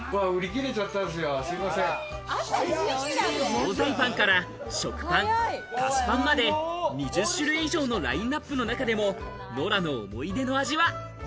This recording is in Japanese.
惣菜パンから食パン、菓子パンまで、２０種類以上のラインナップの中でも、ノラの思い出の味は。